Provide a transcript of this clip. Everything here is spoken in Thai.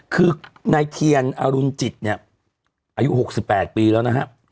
คือนายเทียนอรุณจิตเนี่ยอายุ๖๘ปีแล้วนะฮะ